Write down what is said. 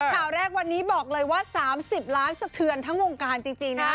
ข่าวแรกวันนี้บอกเลยว่า๓๐ล้านสะเทือนทั้งวงการจริงนะฮะ